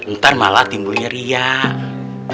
ntar malah timbulnya riak